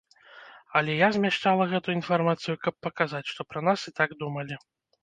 Але я змяшчала гэту інфармацыю, каб паказаць, што пра нас і так думалі.